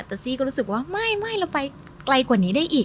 แต่ซี่ก็รู้สึกว่าไม่เราไปไกลกว่านี้ได้อีก